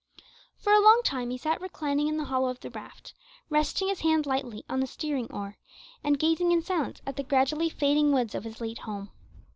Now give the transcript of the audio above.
For a long time he sat reclining in the hollow of the raft, resting his hand lightly on the steering oar and gazing in silence at the gradually fading woods of his late home.